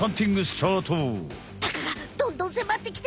タカがどんどんせまってきてますよ！